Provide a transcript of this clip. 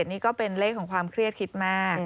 นี่ก็เป็นเลขของความเครียดคิดมาก